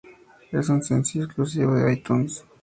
Es un sencillo exclusivo de iTunes.